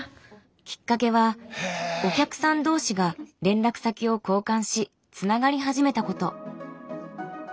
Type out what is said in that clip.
きっかけはお客さん同士が連絡先を交換しつながり始めたこと。